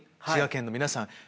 滋賀県の皆さん